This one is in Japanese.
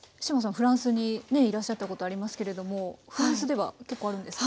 フランスにねいらっしゃったことありますけれどもフランスでは結構あるんですか？